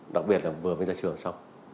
đặc biệt là vừa mới ra trường xong